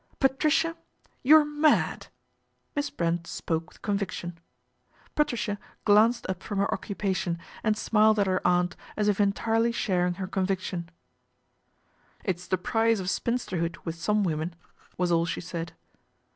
" Patricia, you are mad 1 " Miss Brent spoke with conviction. Patricia glanced up from her occupation and smiled at her aunt as if entirely sharing her conviction. " It's the price of spinsterhood with some women," was all she said.